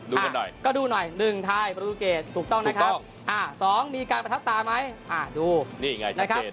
หน่อยก็ดูหน่อย๑ไทยประตูเกรดถูกต้องนะครับ๒มีการประทับตาไหมดูนี่ไงนะครับ